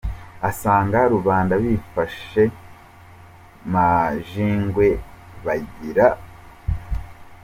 asanga rubanda bifashe majingwe bagira